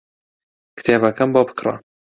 کتێبەکەم بۆ بکڕە.